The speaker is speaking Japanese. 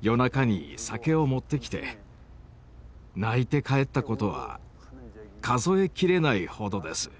夜中に酒を持ってきて泣いて帰ったことは数え切れないほどです。